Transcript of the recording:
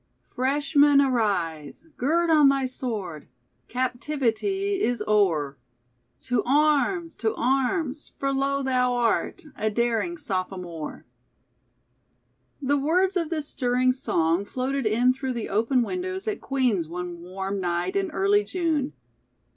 "Freshman, arise! Gird on thy sword! Captivity is o'er. To arms! To arms! For, lo! thou art A daring sophomore!" The words of this stirring song floated in through the open windows at Queen's one warm night in early June.